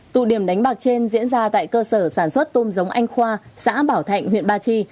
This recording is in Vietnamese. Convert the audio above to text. tụ điểm đánh bạc trên diễn ra tại cơ sở sản xuất tôm giống anh khoa xã bảo thạnh huyện ba chi